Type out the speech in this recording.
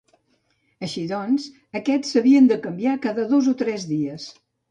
Així doncs, aquests s'havien de canviar cada dos o tres dies.